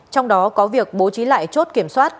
trong đó có việc bố trí lại chốt kiểm soát